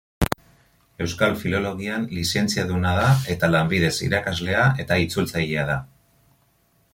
Euskal Filologian lizentziaduna da eta lanbidez irakaslea eta itzultzailea da.